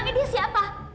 memang ini siapa